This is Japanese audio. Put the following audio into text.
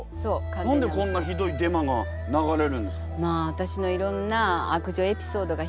何でこんなひどいデマが流れるんですか？